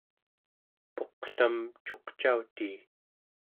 puqlam cuqcautii